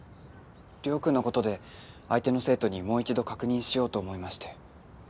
陵君のことで相手の生徒にもう一度確認しようと思いまして。